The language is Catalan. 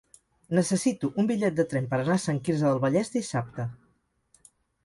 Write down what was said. Necessito un bitllet de tren per anar a Sant Quirze del Vallès dissabte.